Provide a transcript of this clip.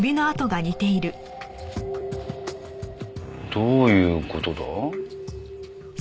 どういう事だ？